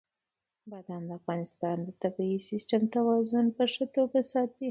بادام د افغانستان د طبعي سیسټم توازن په ښه توګه ساتي.